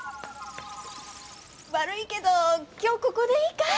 悪いけど今日ここでいいかい？